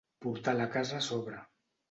Portar la casa a sobre.